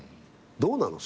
どうなの？